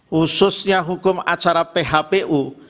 khususnya hukum acara phpu